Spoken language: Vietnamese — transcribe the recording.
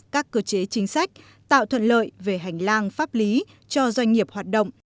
các cơ chế chính sách tạo thuận lợi về hành lang pháp lý cho doanh nghiệp hoạt động